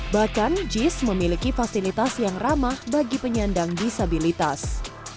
bahkan jis memiliki fasilitas yang ramah bagi penyandang disabilitas